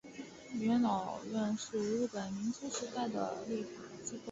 元老院是日本明治时代的立法机构。